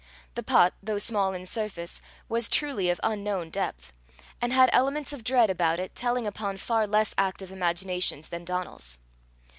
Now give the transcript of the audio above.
The pot, though small in surface, was truly of unknown depth, and had elements of dread about it telling upon far less active imaginations than Donal's.